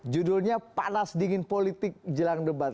judulnya panas dingin politik jelang debat